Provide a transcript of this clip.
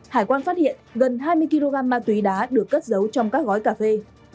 hải quan phát hiện gần hai mươi kg ma túy đá được cất giấu trong các gói cà phê